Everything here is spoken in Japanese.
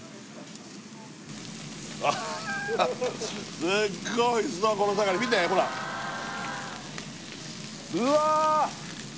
アッハハすっごいおいしそうこのサガリ見てほらうわっ